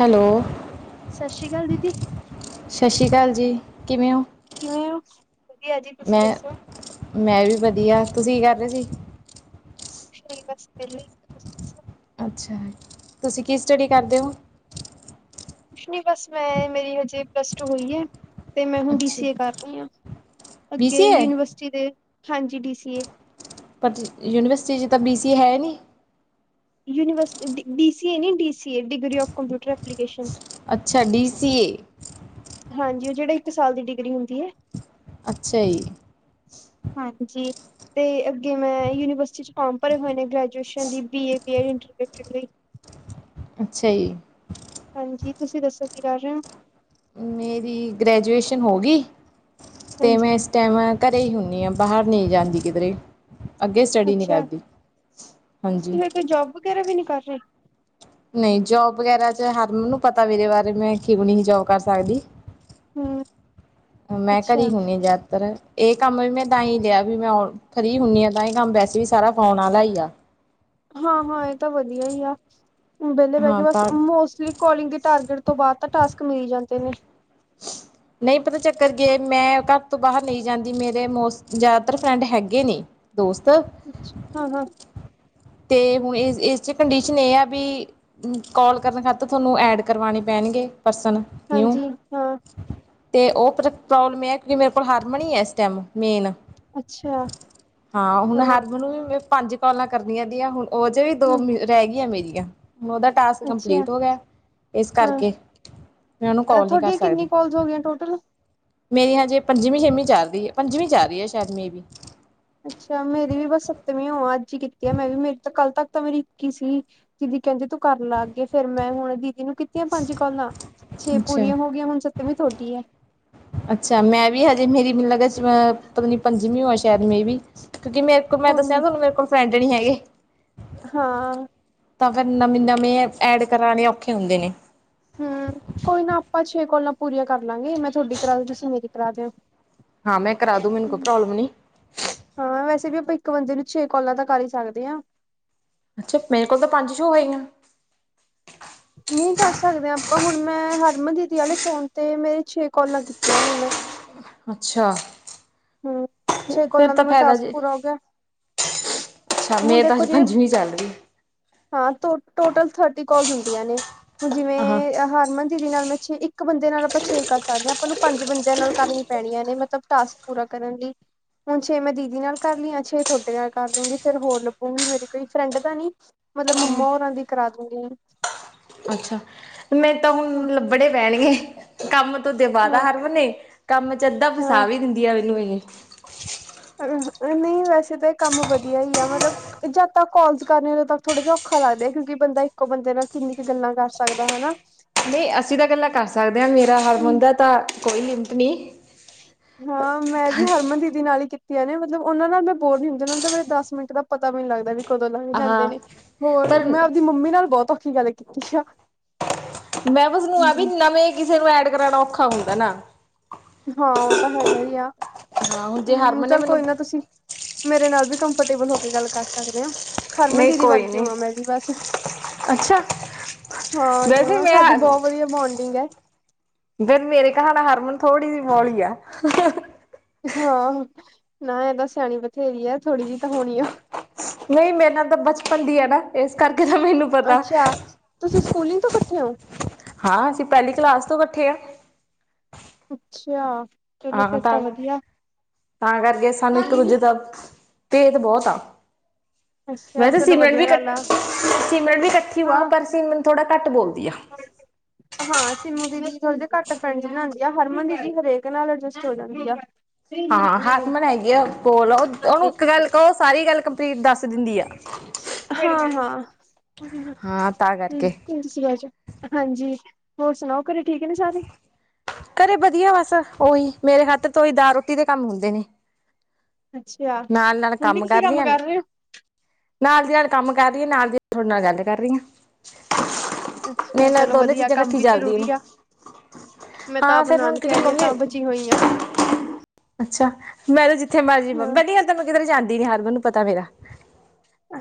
Hello ਸਤਿ ਸ਼੍ਰੀ ਅਕਾਲ ਦੀਦੀ। ਸਤਿ ਸ਼੍ਰੀ ਅਕਾਲ, ਜੀ ਕਿਵੇਂ ਓ? ਕਿਵੇਂ ਓ ਵਧੀਆ ਜੀ‌ ਤੁਸੀਂ ਦੱਸੋ? ਮੈਂ ਵੀ ਵਧੀਆ, ਤੁਸੀਂ ਕੀ ਕਰਦੇ ਸੀ? ਜੀ ਬਸ ਵੇਲੇਈ। ਅੱਛਾ, ਤੁਸੀਂ ਕੀ ਸਟੱਡੀ ਕਰਦੇ ਓ? ਕੁਛ ਨੀ ਬਸ ਮੈਂ ਮੇਰੀ ਹਜੇ ਪਲੱਸ ਟੂ ਹੋਈ ਐ। ਤੇ ਮੈਂ ਹੁਣ ਬੀਫ ਅੱਛਾ ਸੀ ਏ ਕਰ ਰਹੀ ਹਾਂ। ਬੀ ਸੀ ਅੱਗੇ ਏ ਯੂਨੀਵਰਸਿਟੀ ਦੇ, ਹਾਂਜੀ ਬੀ ਸੀ ਏ। ਪਰ ਯੂਨੀਵਰਸਿਟੀ 'ਚ ਤਾਂ ਬੀ ਸੀ ਏ ਹੈ ਨਹੀਂ। ਯੂਨੀਵਰਸਿਟੀ ਬੀ ਸੀ ਏ ਨਹੀਂ D C A degree of computer application. ਅੱਛਾ ਡੀ ਸੀ ਏ। ਹਾਂਜੀ ਉਹ ਜਿਹੜਾ ਇੱਕ ਸਾਲ ਦੀ ਡਿਗਰੀ ਹੁੰਦੀ ਏ। ਅੱਛਾ! ਜੀ ਹਾਂਜੀ, ਤੇ ਅੱਗੇ ਮੈਂ ਯੂਨੀਵਰਸਿਟੀ ਚ ਫੋਰਮ ਭਰੇ ਹੋਏ ਨੇ ਗ੍ਰੈਜੂ ਟਿਉਸ਼ਨ ਦੀਦੀ ਏ [unintelligible] ਅੱਛਾ ਜੀ। ਹਾਂਜੀ ਤੁਸੀਂ ਦੱਸੋ, ਕੀ ਕਰ ਰਹੇ ਓ? ਮੇਰੀ ਗ੍ਰੈਜੂਏਸ਼ਨ ਹੋ ਗਈ ਅਤੇ ਹਾਂਜੀ ਮੈਂ ਇਸ ਤੇ ਮੈਂ ਘਰੇ ਹੀ ਹੁੰਦੀ ਹਾਂ ਬਾਹਰ ਨਹੀਂ ਜਾਂਦੀ ਕਿਧਰੇ ਵੀ ਅੱਗੇ ਸਟੱਡੀ ਨਹੀਂ ਅੱਛਾ ਕਰਦੀ, ਹਾਂਜੀ। ਤੁਸੀਂ ਫਿਰ ਕੋਈ ਜੋਬ ਵਗੈਰਾ ਵੀ ਨਹੀ ਕਰ ਰਹੇ। ਨਹੀਂ ਜੋਬ ਵਗੈਰਾ ਚ ਹਰ ਮੈਨੂੰ ਪਤਾ ਮੇਰੇ ਬਾਰੇ ਮੈਂ ਕਿ ਨਹੀਂ ਜੋਬ ਕਰ ਸਕਦੀ। ਹਮ ਮੈਂ ਘਰ ਅੱਛਾ ਹੋਣੀ ਆ ਜ਼ਿਆਦਾਤਰ। ਇਹ ਕੰਮ ਵੀ ਮੈਂ ਤਾਂ ਹੀ ਲਿਆ ਵੀ ਮੈਂ ਫਰੀ ਹੁੰਨੀ ਆ ਤਾਂ ਇਹ ਕੰਮ ਵੈਸੇ ਵੀ ਸਾਰਾ ਫੋਨ ਆਲਾ ਹੀ ਆ। ਹਾਂ-ਹਾਂ ਇਹ ਤਾਂ ਵਧੀਆ ਹੀ ਆ, ਹੁਣ ਵਿਹਲੇ ਬਹਿ ਹਾਂ ਕੇ ਬਸ ਤਾਂ ਮੋਸਟਲੀ ਕੌਲਿੰਗ ਦੇ ਟਾਰਗੇਟ ਤੋਂ ਬਾਅਦ ਤਾਂ ਟਾਸਕ ਮਿਲ ਹੀ ਜਾਂਦੇ ਨੇ। ਨਹੀਂ ਪਤਾ ਚੱਕਰ ਕੀ ਆ ਮੈਂ ਘਰ ਤੋਂ ਬਾਹਰ ਨਹੀਂ ਜਾਂਦੀ ਮੇਰੇ ਮੋਸ ਜ਼ਿਆਦਾਤਰ ਫਰੈਂਡ ਹੈਗੇ ਨੇ। ਦੋਸਤ ਹਾਂ-ਹਾਂ। ਤੇ ਇਸ 'ਚ ਕੰਡੀਸ਼ਨ ਇਹ ਆ ਵੀ ਕੋਾਲ ਕਰਨ ਖਾਤਰ ਤੁਹਾਨੂੰ ਐਡ ਕਰਵਾਣੇ ਪੈਣਗੇ ਪਰਸਨ। ਹਾਂਜੀ ਹਾਂ ਤੇ ਉਹ ਪ੍ਰੋਬਲਮ ਇਹ ਆ ਕਿਉਂਕਿ ਮੇਰੇ ਕੋਲ ਹਾਰਮਨ ਈ ਆ ਇਸ ਟਾਈਮ ਮੇਨ। ਅੱਛਾ ਹਾਂ ਹੁਣ ਹਰਮਨ ਵੀ ਮੈਂ ਪੰਜ ਕਾਲਾਂ ਕਰਨੀਆਂ ਦੀਆਂ ਹੁਣ ਉਹ ਜੇ ਵੀ ਦੋ ਹੂੰ ਰਹਿ ਗਈਆਂ ਮੇਰੀਆਂ, ਉਹਦਾ ਟਾਸਕ ਅੱਛਾ ਕੰਪਲੀਟ ਹੋ ਗਿਆ‌ ਇਸ ਹਾਂ ਕਰਕੇ ਮੈਂ ਉਹਨੂੰ ਕਾਲ ਨੀ ਕਰ ਤੁਹਾਡੀਆਂ ਕਿੰਨੀ ਸਕਦੀ। ਕੋਲਸ ਹੋ ਗਈਆਂ ਟੋਟਲ? ਮੇਰੀ ਹਜੇ ਪੰਜਵੀਂ-ਛੇਵੀਂ ਚੱਲ ਰਹੀ ਹੈ ਪੰਜਵੀਂ ਚੱਲ ਰਹੀ ਆ ਸ਼ਾਇਦ ਮੇ ਵੀ। ਅੱਛਾ ਮੇਰੀ ਵੀ ਬਸ ਸੱਤਵੀਂ ਹੋਵਾਂ ਅੱਜ ਹੀ ਕੀਤੀ ਹੈ, ਮੈਂ ਵੀ ਮੇਰੀ ਤਾਂ ਕੱਲ ਤੱਕ ਤਾਂ ਮੇਰੀ ਇੱਕ ਈ ਸੀ, ਦੀਦੀ ਕਹਿੰਦੀ ਤੂੰ ਕਰ ਲਾ ਅੱਗੇ ਫੇਰ ਮੈਂ ਹੁਣ ਇਹਦੀ ਜਿਹਨੂੰ ਕੀਤੀਆਂ ਪੰਜ ਕਾਲਾਂ, ਛੇ ਅੱਛਾ। ਪੂਰੀਆਂ ਹੋ ਗਈਆਂ ਹੁਣ ਸੱਤਵੀਂ ਥੋਡੀ ਹੈ। ਅੱਛਾ, ਮੈਂ ਵੀ ਹਜੇ ਮੇਰੀ ਮੈਨੂੰ ਲਗਦਾ ਏਸ ਵਾਰ ਪਤਾ ਨਹੀਂ ਪੰਜਵੀਂ ਹੋਵੇ ਸ਼ਾਇਦ ਮੇ ਵੀ, ਕਿਉਂਕਿ ਮੈ ਇੱਕ ਮੈਂ ਕੋਈ ਦੱਸਿਆ ਨਾ ਤੁਹਾਨੂੰ ਮੇਰੇ ਕੋਲ ਫਰੈਂਡ ਨੀ ਹੈਗੇ। ਹਾਂ। ਤਾਂ ਫੇਿਰ ਨਵੇਂ ਨਵੇਂ ਐਡ ਕਰਾਣੇ ਔਖੇ ਹੁੰਦੇ ਨੇ। ਹੂੰ ਕੋਈ ਨਾ ਆਪਾਂ ਛੇ ਕੋਲਾਂ ਪੂਰੀਆਂ ਕਰ ਲਾਂਗੇ ਮੈਂ ਤੁਹਾਡੀ ਕਰਾ ਦੂ ਤੁਸੀਂ ਮੇਰੀ ਕਰਾ ਦਿਓ। ਹਾਂ ਮੈਂ ਕਰਾ ਦੂ ਮੈਨੂੰ ਕੋਈ ਪ੍ਰੋਬਲਮ ਨਹੀ। ਹਾਂ ਵੈਸੇ ਵੀ ਆਪਾਂ ਇੱਕ ਬੰਦੇ ਨੂੰ ਛੇ ਕਾਲਾਂ ਤਾਂ ਕਰ ਹੀ ਸਕਦੇ ਹਾਂ। ਅੱਛਾ ਮੇਰੇ ਕੋਲ ਤਾਂ ਪੰਜ ਸ਼ੋ ਹੋਈਆ। ਨਹੀਂ ਕਰ ਸਕਦੇ ਆਪਾਂ ਹੁਣ ਮੈਂ ਹਰਮਨ ਦੀਦੀ ਵਾਲੇ ਫੋਨ ਤੇ ਮੇਰੇ ਛੇ ਕਾਲਾਂ ਕੀਤੀਆਂ ਨੇ ਮੈਂ। ਹੂੰ ਛੇ ਅੱਛਾ-ਫਿਰ ਕੋਲਾਂ ਦਾ ਤਾਂ ਮੇਰਾ ਫਾਇਦਾ ਟਾਸਕ ਜੇ ਪੂਰਾ ਹੋ ਗਿਆ ਅੱਛਾ ਹੁਣ ਮੇਰੀ ਤਾਂ ਦੇਖੋ ਹਜੇ ਜਿਵੇਂ ਪੰਜਵੀਂ ਚੱਲ ਰਹੀ। ਹਾਂ ਟੋਟਲ ਥਰਟੀ ਕੋਲਜ ਹੁੰਦੀਆਂ ਨੇ, ਹੁਣ ਆਹਾਂ ਜਿਵੇਂ ਹਰਮਨ ਜੀ ਦੀ ਨਾਲ ਮੈਂ ਛੇ ਇੱਕ ਇੱਕ ਬੰਦੇ ਨਾਲ ਆਪਾਂ ਛੇ ਕਰ ਸਕਦੇ ਹਾਂ ਆਪਾਂ ਨੂੰ ਪੰਜ ਬੰਦਿਆਂ ਨਾਲ ਕਰਨੀ ਪੈਣੀਆਂ ਨੇ ਮਤਲਬ ਟਾਸਕ ਪੂਰਾ ਕਰਨ ਲਈ। ਹੁਣ ਛੇ ਮੈਂ ਦੀਦੀ ਨਾਲ ਕਰ ਲਈ ਆ ਛੇ ਤੁਹਾਡੇ ਨਾਲ ਕਰ ਲੂੰਗੀ ਫੇਰ ਹੋਰ ਲੱਭੂਗੀ ਮੇਰੀ ਕੋਈ ਫਰੈਂਡ ਤਾਂ ਨੀ। ਮਤਲਬ ਮੰਮਾ ਹੋਰਾਂ ਦੀ ਕਰਾ ਦੂਗੀ। ਅੱਛਾ! ਮੇਰੇ ਤਾਂ ਹਾਂ ਹੁਣ ਲੱਭਣੇੇ ਪੈਣਗੇ। ਕੰਮ ਤੋਂ ਦਵਾ ਦਾ ਹਾਂ ਹਰਮਨ ਨੇ, ਕੰਮ 'ਚ ਅੱਧਾ ਹਾਂ ਫਸਾ ਵੀ ਦਿੰਦੀ ਆ ਮੈਨੂੰ ਇਹੇ। ਨਹੀਂ ਵੈਸੇ ਤਾਂ ਇਹ ਕੰਮ ਵਧੀਆ ਹੀ ਆ ਮਤਲਬ ਤੇ ਜਦ ਤੱਕ ਕੱਲਸ ਕਰਨੇ ਤੱਬ ਥੋੜਾ ਜ ਔਖਾ ਲੱਗਦਾ ਕਿਉਕਿ ਬੰਦਾ ਇੱਕੋ ਬੰਦੇ ਨਾਲ ਕਿੰਨੀ ਕੁ ਗੱਲਾਂ ਕਰ ਸਕਦਾ‌ ਹਨਾ ਨਹੀਂ ਅਸੀਂ ਤਾਂ ਗੱਲਾ ਕਰ ਸਕਦੇ ਹਾਂ ਮੇਰਾ ਹਰਮਨ ਦਾ ਤਾਂ ਕੋਈ ਲਿਮਟ ਨਹੀਂ। ਹਾਂ ਮੈਂ ਵੀ ਹਰਮਨ ਦੀ ਦੀਦੀ ਨਾਲ ਹੀ ਕੀਤੀਆਂ ਨੇ, ਮਤਲਬ ਉਹਨਾਂ ਨਾਲ ਮੈਂ ਬੋਰ ਨੀ ਹੁੰਦੀ, ਉਹਨਾਂ ਨੂੰ ਤਾਂ ਮੇਰੇ ਦਸ ਮਿੰਟ ਦਾ ਪਤਾ ਵੀ ਨੀ ਲੱਗਦਾ ਵੀ ਕਦੋਂ ਲੰਘ ਹਾਂ ਜਾਂਦੇ ਨੇ ਹੋਰ ਪਰ ਮੈਂ ਆਪਦੀ ਮੰਮੀ ਨਾਲ ਬਹੁਤ ਔਖੀ ਗੱਲ ਕੀਤੀ ਆ ਛਾ ਮੈਂ ਬਸ ਨੂੰ ਆ ਵੀ ਨਵੇਂ ਕਿਸੇ ਨੂੰ ਐਡ ਕਰਾਣਾ ਔਖਾ ਹੁੰਦਾ ਨਾ। ਹਾਂ ਉਹ ਤਾਂ ਹੈਗਾ ਈ ਆ, ਹਾਂ ਹੁਣ ਜੇ ਹੂੰ ਹਰਮਨ ਨੇ ਚੱਲ ਮੈਨੂੰ ਕੋਈ ਨਾ ਤੁਸੀਂ ਮੇਰੇ ਨਾਲ ਵੀ ਕੰਫਰਟੇਬਲ ਹੋ ਕੇ ਗੱਲ ਕਰ ਸਕਦੇ ਓ। ਹਰਮਨ ਨਹੀਂ ਦੀਦੀ ਕੋਈ ਵਰਗੀ ਨੀ ਹੋਵਾ ਮੈਂ ਵੀ ਬਸ। ਅੱਛਾ ਹਾਂ ਵੈਸੇ ਜਵਾਂ, ਮੈਂ ਸਾਡੀ ਬਹੁ ਵਧੀਆ ਬੋਂਡਿੰਗ ਐ। ਫਿਰ ਮੇਰੇ ਕਹਾਣਾ ਹਰਮਨ ਥੋੜੀ ਜੀ ਬੌਲੀ ਐ। ਹਾਂ, ਨਾ ਇਹ ਤਾਂ ਸਿਆਣੀ ਬਥੇਰੀ ਐ, ਥੋੜੀ ਜੀ ਤਾਂ ਹੋਣੀ ਓਹ। ਨਹੀਂ ਮੇਰੇ ਨਾਲ ਤਾਂ ਬਚਪਨ ਦੀ ਐਡ ਐ, ਨਾ ਏਸ ਕਰਕੇ ਤਾਂ ਮੈਨੂੰ ਪਤਾ ਅੱਛਾ, ਤੁਸੀਂ ਸਕੂਲਿੰਗ ਤੋਂ ਕੱਠੇ ਓਂ। ਹਾਂ, ਅਸੀਂ ਪਹਿਲੀ ਕਲਾਸ ਤੋਂ ਕੱਠੇ ਆਂ। ਅੱਛਿਆ। ਹਾਂ, ਤਾਂ-ਤਾਂ ਕਰਕੇ ਸਾਨੂੰ ਇੱਕ ਦੂਜੇ ਦਾ ਭੇਦ ਬਹੁਤ ਆ। ਅੱਛਾ ਵੈਸੇ ਚਲੋ ਸਿਮਰਨ ਵਧੀਆ ਵੀ ਗੱਲ ਆ ਕੱਠੀ ਓ ਆ, ਹਾਂ ਪਰ ਸਿਮਰਨ ਥੋੜ੍ਹਾ ਘੱਟ ਬੋਲਦੀ ਆ। [inaudible] ਹਾਂ, ਸਿੰਮੂ ਦੀਦੀ ਥੋੜਾ ਜਾ ਘੱਟ ਫਰੈਂਡਜ਼ ਬਣਾਂਦੀ ਆ, ਹਰਮਨ ਦੀਦੀ ਹਰੇਕ ਨਾਲ ਅਡਜਸਟ ਹੋ ਜਾਂਦੀ ਆ। ਹਾਂ, ਹਰਮਨ ਹੈਗੀ ਆ ਕੋਲ, ਓ ਓਹਨੂੰ ਇੱਕ ਗੱਲ ਕਹੋ ਸਾਰੀ ਗੱਲ ਕੰਪਲੀਟ ਦੱਸ ਦਿੰਦੀ ਆ। ਹਾਂ-ਹਾਂ, ਹ ਹਾਂ ਤਾਂ [unintelligible] ਕਰਕੇ ਬਹਿ ਜਾ ਹਾਂਜੀ, ਹੋਰ ਸੁਣਾਓ ਘਰੇ ਠੀਕ ਨੇ ਸਾਰੇ। ਘਰੇ ਵਧੀਆ ਬਸ ਓਹੀ, ਮੇਰੇ ਖਾਤੇ ਤੋ ਉਹੀ ਦਾਲ ਰੋਟੀ ਦੇ ਕੰਮ ਹੁੰਦੇ ਨੇ। ਅੱਛਿਆ। ਨਾਲ-ਨਾਲ ਕੰਮ ਕਰਦੀ ਆਂ ਨਾਲ ਦੀ ਨਾਲ ਕੰਮ ਕਰ ਰਈ ਆਂ, ਨਾਲ ਦੀ ਨਾਲ ਤੁਹਾਡੇ ਨਾਲ ਗੱਲ ਕਰ ਰਈ ਆਂ। ਹੋ ਮੇਰੇ ਅੱਛਾ ਨਾਲ ਚਲੋ ਦੋਨੇ ਵਧੀਆ ਚੀਜ਼ਾਂ ਕੰਮ ਕੱਠੀ ਵੀ ਚੱਲਦੀਆਂ ਜ਼ਰੂਰੀ ਨੇ। ਆ ਮੈਂ ਤਾਂ ਹਾਂ, ਆਪ ਫਿਰ ਹੁਣ ਨਾਨਕੇ ਆ ਕਦੀ ਰਹੀ ਹਾਂ ਮੰਮੀ ਤਾਂ ਬਚੀ ਹੋਈ ਹਾਂ ਅੱਛਾ, ਮੈਂ ਤਾਂ ਜਿੱਥੇ ਮਰਜ਼ੀ ਬਵਾਂ, ਹਾਂ ਪਹਿਲੀ ਗੱਲ ਤਾਂ ਮੈਂ ਕਿਧਰੇ ਜਾਂਦੀ ਨੀ ਹਰਮਨ ਨੂੰ ਪਤਾ ਮੇਰਾ।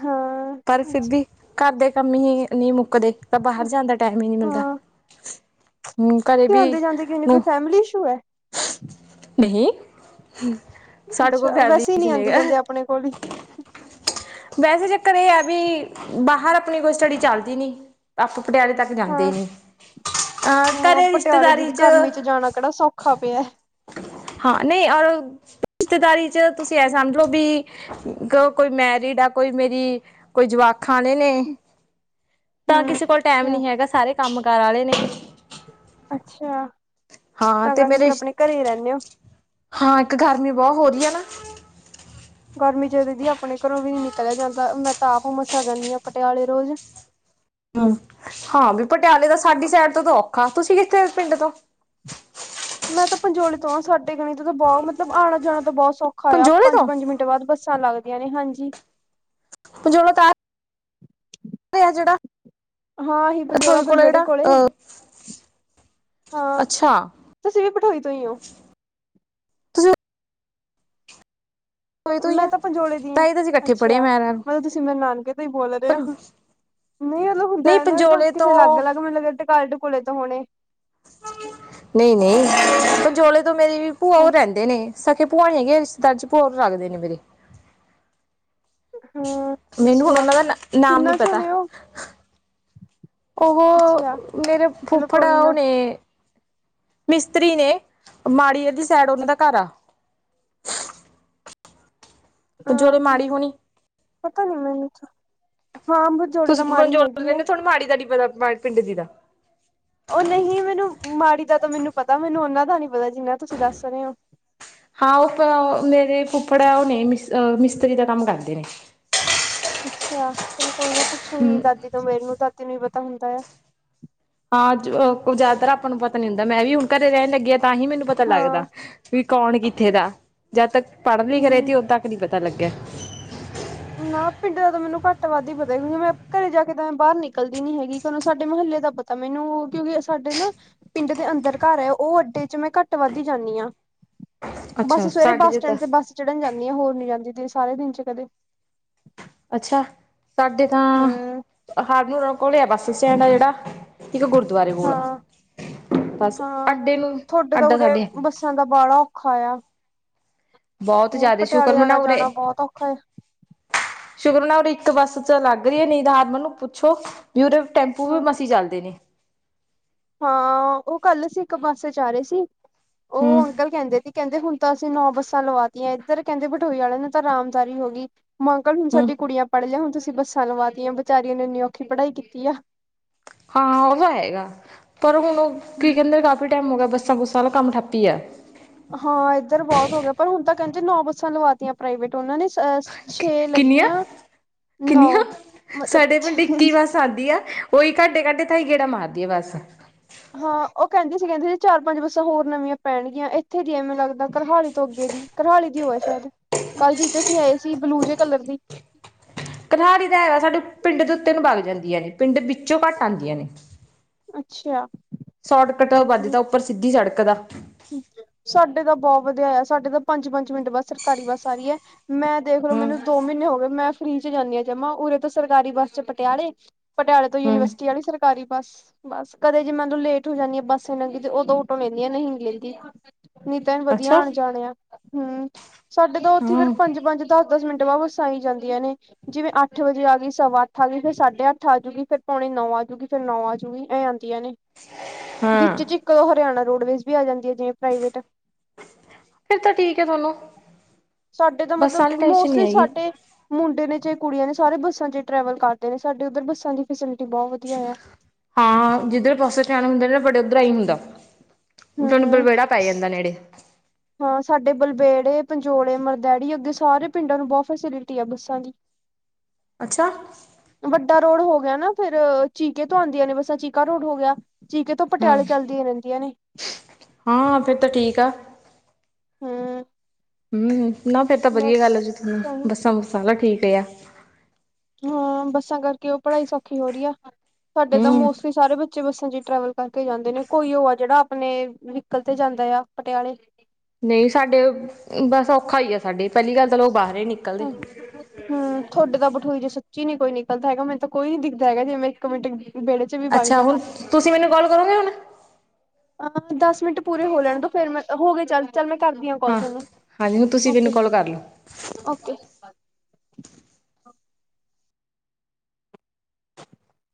ਹਾਂ। ਪਰ ਸਿੱਬੀ, ਘਰ ਦੇ ਕੰਮ ਹੀ ਨਹੀਂ ਮੁੱਕ ਕਦੇ ਤਾਂ ਬਾਹਰ ਜਾਣ ਦਾ ਟੈਮ ਹੀ ਨੀ ਮਿਲਦਾ, ਹਾਂ ਹੂੰ ਕਦੇ ਵੀ ਨੂੰ ਫੈਮਲੀ ਇਸ਼ੂ ਐ। ਨਹੀਂ। ਸਾਡੇ ਕੋਲ ਅੱਛਾ ਵੈਸੇ ਫੈਮਲੀ ਨੀ ਨਹੀਂ ਆਂਦੇ ਹੈਗਾ। ਜਾਂਦੇ ਆਪਣੇ ਕੋਲ ਹੀ ਵੈਸੇ ਚੱਕਰ ਇਹ ਆ ਵੀ, ਬਾਹਰ ਆਪਣੀ ਕੋਈ ਸਟੱਡੀ ਚੱਲਦੀ ਨੀ। ਆਪਾਂ ਪਟਿਆਲੇ ਤੱਕ ਜਾਂਦੇ ਹੀ ਹਾਂ। ਨੀ, ਅਹ ਹਾਂ ਘਰੇ ਪਟਿਆਲੇ ਦੀ ਰਿਸ਼ਤੇਦਾਰੀ ਚ ਗਰਮੀ ਜਾਣਾ ਕਿਹੜਾ ਸੌ ਖਾ ਪਿਆ। ਹਾਂ, ਨਹੀਂ ਔਰ ਰਿਸ਼ਤੇਦਾਰੀ ਚ ਤੁਸੀਂ ਇਹ ਸਮਝ ਲੋ ਵੀ ਕ ਕੋਈ ਮੈਰਿਡ ਆ, ਕੋਈ ਮੇਰੀ ਕੋਈ ਜਵਾਖਾਂ ਆਲੇ ਨੇ। ਤਾਂ ਹੂੰ ਕਿਸੇ ਕੋਲ ਟੈਮ ਅੱਛਾ। ਨੀ ਹੈਗਾ, ਸਾਰੇ ਕੰਮ ਕਾਰ ਆਲੇ ਨੇ। ਅੱਛਾ, ਹਾਂ ਤਾਂ ਤੇ ਕਰਕੇ ਮੇਰੇ ਫਿਰ ਆਪਣੇ ਘਰੇ ਹੀ ਰਹਿੰਨੇ ਓ। ਹਾਂ, ਇੱਕ ਗਰਮੀ ਬਹੁ ਹੋਰੀ ਐ ਨਾ। ਗਰਮੀ ਚ ਤਾਂ ਦੀਦੀ ਆਪਣੇ ਘਰੋਂ ਵੀ ਨੀ ਨਿਕਲਿਆ ਜਾਂਦਾ, ਮੈਂ ਤਾਂ ਆਪ ਮਸਾਂ ਜਾਂਨੀ ਆਂ ਪਟਿਆਲੇ ਰੋਜ਼। ਹੂੰ, ਹਾਂ ਵੀ ਪਟਿਆਲੇ ਦਾ ਸਾਡੀ ਸਾਈਡ ਤੋਂ ਤਾਂ ਔਖਾ, ਤੁਸੀਂ ਕਿੱਥੇ ਪਿੰਡ ਤੋਂ ਮੈਂ ਤਾਂ ਪੰਜੋਲੀ ਤੋਂ ਆਂ, ਸਾਡੇ ਕਨੀ ਤੋ ਤਾਂ ਬਹੁ ਮਤਲਬ ਆਣਾ ਜਾਣਾ ਤਾਂ ਬਹੁਤ ਸੌਖਾ ਆ, ਪੰਜੋਲੇ ਤੋਂ ਪੰਜ-ਪੰਜ ਮਿੰਟ ਮਿੰਟ ਬਾਦ ਬੱਸਾਂ ਲੱਗਦੀਆਂ ਨੇ, ਹਾਂਜੀ। ਪੰਜੋਲਾ ਤਾਂ ਆਹ ਓਥੇ ਆ ਜਿਹੜਾ, ਹਾਂ ਇਹੀ ਪੰਜੋਲਾ ਪਠੋਈ ਕੋਲ ਐ ਬਲਬੇੜੇ ਜਿਹੜਾ, ਕੋਲੇ ਅਹ- ਹਾਂ ਅੱਛਾ। ਤੁਸੀਂ ਵੀ ਪਠੋਈ ਤੋਂ ਈ ਓਂ। ਤੁਸੀਂ ਰਸੋਈ ਤੋਂ ਹੀ ਮੈਂ ਆ ਤਾਂ ਪੰਜੋਲੇ ਦੀ ਆਂ, ਤਾਂ ਹੀ ਤਾਂ ਅਸੀਂ ਇਕੱਠੇ ਪੜ੍ਹੇ ਅੱਛਿਆ ਮੈਂ ਮਤਲਬ ਤੁਸੀਂ ਮੇਰੇ ਨਾਨਕੇ ਤੋਂ ਹੀ ਬੋਲ ਰਹੇ ਪੰ ਓਂ। ਨਹੀਂ ਮਤਲਬ ਨਹੀਂ ਹੁੰਦਾ ਨਾ, ਮਤਲਬ ਪੰਜੋਲੇ ਕਿਸੇ ਤੋਂ ਲੱਗ-ਲੱਗ ਮੈਨੂੰ ਲੱਗਾ ਟਕਾਲੇ ਟਕੂਲੇ ਤੋਂ ਹੋਣੇ। ਨਹੀਂ ਨਹੀਂ ਪੰਜੋਲੇ ਤੋਂ ਮੇਰੀ ਵੀ ਭੂਆ ਹਾਂ ਉਹ ਰਹਿੰਦੇ ਨੇ ਸਕੇ ਭੂਆ ਨੇ ਹੈਗੇ ਰਿਸ਼ਤੇਦਾਰ ਚ [unintelligible] ਨੇ ਮੇਰੇ ਹਾਂ ਮੈਨੂੰ ਹੁਣ ਅੱਛਾ ਉਹਨਾਂ ਦਾ ਨਾਮ ਨੀ ਕਿੰਨਾ ਚ ਪਤਾ ਹੋਣੇ ਉਹ ਅੱਛਾ ਉਹ ਮੇਰੇ ਚਲੋ ਫੁੱਫੜਾ ਕੋਈ ਆ ਓਹ ਨਾ ਨੇ। ਮਿਸਤਰੀ ਨੇ ਮਾੜੀਅਰ ਦੀ ਸਾਈਡ ਉਹਨਾਂ ਦਾ ਘਰ ਆ। ਪੰਜੋਲੇ ਹੂੰ ਮਾੜੀ ਹੋਣੀ ਪਤਾ ਨੀ ਮੈਨੂੰ ਹਾਂ ਪੰਜੋੜੇ ਤੁਸੀ ਤਾਂ ਮਾੜੀ [unintelligible] ਹੈਗੀ ਹੈ ਰਹਿੰਦੇ ਤੁਹਾਨੂੰ ਮਾੜੀ ਦਾ ਨਹੀਂ ਪਤਾ ਪਿੰਡ ਦੀ ਦਾ ਉਹ ਨਹੀਂ ਮੈਨੂੰ ਮਾੜੀ ਦਾ ਤਾਂ ਮੈਨੂੰ ਪਤਾ ਮੈਨੂੰ ਉਹਨਾਂ ਦਾ ਨੀ ਪਤਾ ਜਿੰਨਾ ਤੁਸੀਂ ਦੱਸ ਰਹੇ ਹੋ ਹਾਂ ਉਹ ਮੇਰੇ ਫੁਫੜ ਹੈ ਉਹ ਨੇ ਮਿਸ ਮਿਸਤਰੀ ਦਾ ਕੰਮ ਕਰਦੇ ਨੇ ਅੱਛਾ ਚਲੋ ਕੋਈ ਨਾ ਹਮ, ਪੁੱਛੋਗੀ ਦਾਦੀ ਤੋਂ ਮੇਰੇ ਨੂੰ ਦਾਦੀ ਨੂੰ ਹੀ ਪਤਾ ਹੁੰਦਾ ਆ। ਹਾਂ ਜ਼ਿਆਦਾਤਰ ਆਪਾਂ ਨੂੰ ਪਤਾ ਨੀ ਹੁੰਦਾ ਮੈਂ ਵੀ ਹੁਣ ਘਰੇ ਰਹਿਣ ਲੱਗੀ ਤਾਂ ਹੀ ਮੈਨੂੰ ਪਤਾ ਲੱਗਦਾ। ਹਾਂ ਵੀ ਕੌਣ ਕਿੱਥੇ ਦਾ ਜਦ ਤੱਕ ਪੜ੍ਹਨ ਲਈ ਕਰੇ ਹਮ ਤ ਉਦ ਤੱਕ ਨੀ ਪਤਾ ਲੱਗਿਆ ਨਾ ਪਿੰਡ ਦਾ ਤਾਂ ਮੈਨੂੰ ਘੱਟ ਵੱਧ ਹੀ ਪਤਾ ਕਿਉਂਕਿ ਮੈਂ ਘਰੇ ਜਾ ਕੇ ਤਾਂ ਮੈਂ ਬਾਹਰ ਨਿਕਲਦੀ ਨੀ ਹੈਗੀ ਕਹਨੂੰ ਸਾਡੇ ਮੁਹੱਲੇ ਦਾ ਪਤਾ ਤਾਂ ਮੈਨੂੰ ਕਿਉਂਕਿ ਸਾਡੇ ਨਾ ਪਿੰਡ ਦੇ ਅੰਦਰ ਘਰ ਏ। ਉਹ ਅੱਡੇ ਚ ਮੈਂ ਘੱਟ ਵੱਧਦੀ ਜਾਂਦੀ ਹਾਂ ਬੱਸ ਅੱਛਾ ਸਵੇਰੇ ਸਾਡੇ ਬੱਸ ਜੇ ਤਾਂ ਸਟੈਂਡ ਤੇ ਬੱਸ ਚੜਨ ਜਾਂਦੀ ਆ ਹੋਰ ਨੀ ਜਾਂਦੀ ਤੇ ਸਾਰੇ ਦਿਨ ਚ ਕਦੇ ਅੱਛਾ ਸਾਡੇ ਤਾਂ ਹਮ ਹਾਰਨ ਘੁਲਿਆ ਬੱਸ ਸਟੈਂਡ ਆ ਜਿਹੜਾ ਇੱਕ ਗੁਰ ਗੁਰਦੁਬਰੇ ਕੋਲ ਆ ਹਾਂ ਬਸ ਹਾਂ ਅਡੇ ਨੂੰ ਅਡਾ ਸਾਡੇ। ਬੜਾ ਔਖਾ ਆ ਬਹੁਤ ਹੁਣ ਜ਼ਿਆਦਾ ਸ਼ੁਕਰ ਪਟਿਆਲੇ ਆਣਾ ਮਨਾਉ ਜਾਣਾ ਉਰੇ। ਬਹੁਤ ਔਖਾ ਹੈ ਸ਼ੁਕਰ ਮਨਓ ਰ ਇੱਕ ਬੱਸ ਲੱਗ ਰਹੀ ਏ। ਨੀ [unintelligible] ਮੈਨੂੰ ਪੁੱਛੋ ਵੀ ਉਰੇ ਟੈਂਪੂ ਵੀ ਹਾਂ ਮਸੀ ਚੱਲਦੇ ਨੇ ਹਾਂ ਉਹ ਕੱਲ ਸੀ ਇੱਕ ਬੱਸ ਚ ਆ ਰਹੇ ਸੀ ਉਹ ਹੂੰ ਅੰਕਲ ਕਹਿੰਦੇ ਸੀ ਕਹਿੰਦੇ ਹੁਣ ਤਾਂ ਅਸੀਂ ਨੌ ਬੱਸਾਂ ਲਵਾਤੀਆਂ ਇੱਧਰ ਕਹਿੰਦੇ ਬਠੋਈ ਵਾਲੇ ਨੇ ਤਾਂ ਆਾਮਦਾਰੀ ਹੋ ਗਈ [unintelligible] ਹੁਣ ਹੂੰ ਸਾਡੀ ਕੁੜੀਆਂ ਪੜ੍ਹ ਲਿਆ ਹੁਣ ਤੁਸੀਂ ਬੱਸਾਂ ਲਵਾਤੀਆਂ ਵਿਚਾਰੀਆਂ ਨੇ ਇੰਨੀ ਔਖੀ ਪੜ੍ਹਾਈ ਕੀਤੀ ਆ ਹਾਂ ਉਹ ਤਾਂ ਹੈਗਾ ਪਰ ਹੁਣ ਉਹ ਕੀ ਕਹਿੰਦੇ ਕਾਫੀ ਟਾਈਮ ਹੋ ਗਿਆ ਬੱਸਾਂ ਬੁੱਸਾਂ ਵਾਲਾ ਕੰਮ ਠੱਪੀ ਆ ਹਾਂ ਇੱਧਰ ਬਹੁਤ ਹੋ ਗਿਆ ਪਰ ਹੁਣ ਤਾਂ ਕਹਿੰਦੇ ਨੌ ਬੱਸਾਂ ਲਵਾਤੀਆਂ ਪ੍ਰਾਈਵੇਟ ਉਹਨਾਂ ਨੇ ਛੇ ਕਿੰਨੀਆਂ ਲੱਗੀਆਂ ਨੌ ਮਤਲਬ ਛੇ ਦੀ ਆ ਉਹੀ ਘਾਟੇ ਘਾਟੇ ਥਾਈ ਗੇੜਾ ਮਾਰਦੀ ਆ ਬਸ ਹਾਂ ਉਹ ਕਹਿੰਦੀ ਸੀ ਕਹਿੰਦੀ ਸੀ ਚਾਰ ਪੰਜ ਬੱਸਾਂ ਹੋਰ ਨਵੀਆਂ ਪੈਣਗੀਆਂ ਇੱਥੇ ਦੀ ਐਵੇਨੂੰ ਲੱਗਦਾ ਕਰਹਾਲੀ ਤੋਂ ਅੱਗੇ ਦੀ ਕਰਹਾਲੀ ਦੀ ਹੋ ਹੈ ਸ਼ਾਇਦ ਕਲ ਜ਼ੀਚ ਅਸੀਂ ਆਏ ਸੀ ਬਲੂ ਜਿਹੇ ਕਲਰ ਦੀ ਕਰਹਾਲੀ ਦਾ ਹੈਗਾ ਸਾਡੇ ਪਿੰਡ ਦੇ ਉੱਤੇ ਨੂੰ ਬਗ ਜਾਂਦੀ ਆਂ ਨੇ ਪਿੰਡ ਵਿੱਚੋਂ ਘੱਟ ਆਉਂਦੀਆਂ ਨੇ ਅੱਛਾ ਸ਼ੋਟਕੱਟ ਵੱਜਦਾ ਉੱਪਰ ਸਿੱਧੀ ਸੜਕ ਦਾ ਸਾਡੇ ਤਾਂ ਬਹੁਤ ਵਧੀਆ ਆ ਸਾਡੇ ਤਾਂ ਪੰਜ ਪੰਜ ਮਿੰਟ ਬੱਸ ਸਰਕਾਰੀ ਬੱਸ ਆ ਰਹੀ ਹੈ ਮੈਂ ਦੇਖ ਲੋ ਹਮ ਮੈਨੂੰ ਦੋ ਮਹੀਨੇ ਹੋ ਗਏ ਮੈਂ ਫ੍ਰਰੀ 'ਚ ਜਾਂਦੀ ਹਾਂ ਜਮਾ ਉਰੇ ਤੋਂ ਸਰਕਾਰੀ ਬੱਸ 'ਚ ਪਟਿਆਲੇ। ਪਟਿਆਲੇ ਤੋਂ ਹਮ ਯੂਨੀਵਰਸਿਟੀ ਵਾਲੀ ਸੜਕ ਘਰੀ ਬਸ ਬਸ ਕਦੇ ਜੇ ਮੈਨੂੰ ਲੇਟ ਹੋ ਜਾਂਦੀ ਆ ਬੱਸ ਇਹਨਾਂ ਤੇ ਉਦੋਂ ਅਟੋ ਲੈਂਦੀ ਨਹੀਂ ਲੈਂਦੀ ਨਹੀਂ ਤਾਂ ਵਧੀਆ ਅੱਛਾ ਆਣ ਜਾਣੇ ਆ ਹੂੰ ਸਾਡੇ ਤਾਂ ਉੱਥੇ ਫੇਰ ਹਮ ਪੰਜ ਪੰਜ ਦਸ ਦਸ ਮਿੰਟ ਵਾ ਬਸਾਂ ਆਈ ਜਾਂਦੀਆਂ ਨੇ। ਜਿਵੇਂ ਅੱਠ ਵਜੇ ਆ ਗਈ ਸਵਾ ਅੱਠ ਆ ਗਈ ਫਿਰ ਸਾਢੇ ਅੱਠ ਆਜੂਗੀ ਫਿਰ ਪੌਣੇ ਨੌ ਆਜੂਗੀ ਫੇਰ ਨੌ ਆਜੂਗੀ ਇਹ ਆਦੀਆਂ ਨੇ ਹਾਂ ਵਿੱਚ ਚ ਇੱਕ ਹਰਿਆਣਾ ਰੋਡਵੇਜ਼ ਵੀ ਆ ਜਾਂਦੀ ਐ ਜ ਪ੍ਰਾਈਵੇਟ ਫਿਰ ਤਾਂ ਠੀਕ ਹੈ ਤੁਹਾਨੂੰ ਸਾਡੇ ਤਾਂ ਮਤਲਬ ਬੱਸਾਂ ਵਾਲੀ ਟੈਨਸ਼ਨ ਨਹੀਂ ਮੋਸਟਲੀ ਹੈਗੀ। ਸਾਡੇ ਮੁੰਡੇ ਨੇ ਚਾਹੇ ਕੁੜੀਆਂ ਨੇ ਸਾਰੇ ਬੱਸਾਂ ਚ ਟਰੈਵਲ ਕਰਦੇ ਨੇ ਸਾਡੇ ਉੱਧਰ ਬੱਸਾਂ ਦੀ ਫੈਸਿਲਿਟੀ ਬਹੁਤ ਵਧੀਆ ਐ। ਹਾਂ ਜਿਧਰ ਪਾਸੇ ਧਿਆਣ ਹੁੰਦਾ ਨਾ ਬੜੇ ਉੱਧਰ ਹੀ ਹੁੰਦਾ ਤੁਹਾਨੂੰ ਹੂੰ ਬਲਬੇੜਾ ਪੈ ਜਾਂਦਾ ਨੇੜੇ ਹਾਂ ਸਾਡੇ ਬਲਬੇੜੇ ਪੰਜੋੜੇ ਮਰਦੈੜੀ ਅੱਗੇ ਸਾਰੇ ਪਿੰਡਾਂ ਨੂੰ ਬਹੁਤ ਫੈਸਿਲਿਟੀ ਆ ਬੱਸਾਂ ਦੀ ਅੱਛਾ ਵੱਡਾ ਰੋਡ ਹੋ ਗਿਆ ਨਾ ਫਿਰ ਚੀਕੇ ਤੋਂ ਆਉਂਦੀਆਂ ਨੇ ਬੱਸਾਂ ਚੀਕਾ ਰੋਡ ਹੋ ਗਿਆ। ਚੀਕੇ ਤੋਂ ਹੂੰ ਪਟਿਆਲੇ ਚਲਦੀਆਂ ਰਹਿੰਦੀਆਂ ਨੇ। ਹਾਂ, ਫੇਰ ਤਾਂ ਠੀਕ ਆ। ਹੰਮ। ਹੂੰ ਨਾ ਫੇਰ ਤਾਂ ਵਧੀਆ ਗੱਲ ਆ ਜੀ ਤੁਹਾਨੂੰ ਬੱਸਾਂ ਬੂਸਾਂ ਆਲਾ ਠੀਕ ਏ ਆ। ਹਾਂ ਬੱਸਾਂ ਕਰਕੇ ਉਹ ਪੜ੍ਹਾਈ ਸੌਖੀ ਹੋ ਰੀ ਆ ਸਾਡੇ ਤਾਂ ਹੂੰ ਮੋਸਟਲੀ ਸਾਰੇ ਬ ਬੱਚੇ ਬੱਸਾਂ ਚ' ਹੀ ਟਰੈਵਲ ਕਰਕੇ ਜਾਂਦੇ ਨੇ ਕੋਈ ਓ ਆ ਜਿਹੜਾ ਆਪਣੇ, ਵਿਕਲ ਤੇ ਜਾਂਦਾ ਆ, ਪਟਿਆਲੇ। ਨਈ ਸਾਡੇ, ਬਸ ਔਖਾ ਈ ਆ ਸਾਡੀੇ ਪੈਲੀ ਗੱਲ ਤਾਂ ਲੋਕ ਬਾਹਰ ਏ ਨੀ ਨਿਕਲਦੇ। ਹੂੰ ਹੂੰ ਥੋਡੇ ਤਾਂ ਬਠੋਈ ਚ ਸੱਚੀ ਨੀ ਕੋਈ ਨਿਕਲਦਾ ਹੈਗਾ। ਮੈਨੂੰ ਤਾਂ ਕੋਈ ਨੀ ਦਿਖਦਾ ਹੈਗਾ ਜੇ ਮੈਂ ਇੱਕ ਮਿੰਟ ਵੇੜੇ ਅੱਛਾ ਹੁਣ, ਤੁਸੀਂ ਮੈਨੂੰ ਕੋਲ ਕਰੋਗੇ ਹੁਣ? ਅ ਦਸ ਮਿੰਟ ਪੂਰੇ ਹੋ ਲੈਣ ਦੋ, ਫੇਰ ਮੈਂ ਹੋ ਗਏ ਚੱਲ ਚੱਲ ਮੈਂ ਕਰਦੀ ਆ ਕੋਲ ਹਾਂ ਥੋਨੂੰ, ਹਾਂਜੀ ਹੁਣ ਤੁਸੀਂ ਮੈਨੂੰ ਕਾਲ ਕਰ ਲਓ। ਓਕੇ-ਓਕੇ [unintelligible]